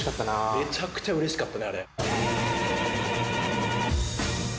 めちゃくちゃうれしかったあれ。